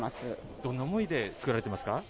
どんな思いで作られていますか。